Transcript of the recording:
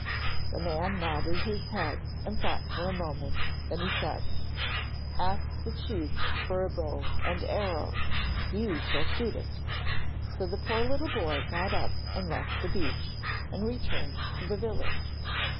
The man nodded his head and thought for a moment; then he said: 'Ask the chief for a bow and arrow: you shall shoot it.' So the poor little boy got up and left the beach, and returned to the village.